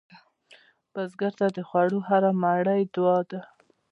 بزګر ته د خوړو هره مړۍ دعا ده